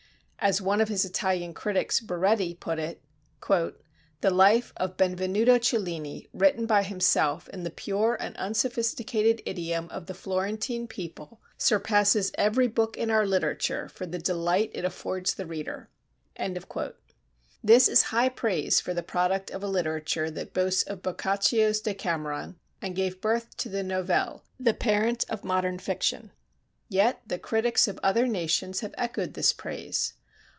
As one of his Italian critics, Baretti, put it: "The life of Benvenuto Cellini, written by himself in the pure and unsophisticated idiom of the Florentine people, surpasses every book in our literature for the delight it affords the reader." This is high praise for the product of a literature that boasts of Boccaccio's 'Decameron,' and gave birth to the novelle, the parent of modern fiction. Yet the critics of other nations have echoed this praise.